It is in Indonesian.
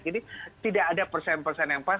jadi tidak ada persen persen yang pas